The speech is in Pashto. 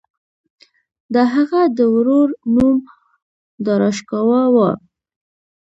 د هغه د ورور نوم داراشکوه و.